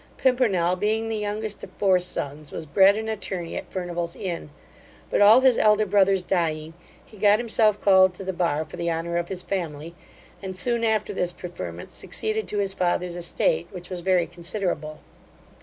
Pimpernel being the youngest of four sons, was bred an attorney at Furnival's inn; but all his elder brothers dying, he got himself called to the bar for the honour of his family, and soon after this preferment, succeeded to his father's estate which was very considerable.